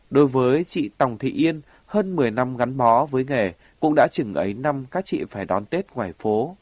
đối với chị tòng thị yên hơn một mươi năm gắn bó với nghề cũng đã chừng ấy năm các chị phải đón tết ngoài phố